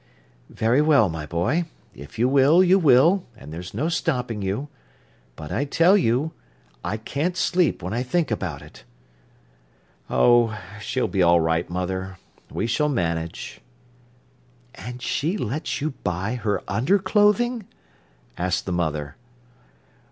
"Very well, my boy. If you will, you will, and there's no stopping you; but I tell you, I can't sleep when I think about it." "Oh, she'll be all right, mother. We shall manage." "And she lets you buy her underclothing?" asked the mother.